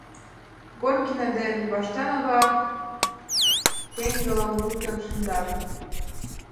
Горкина ден Ваштарова теҥгылым луктын шындат.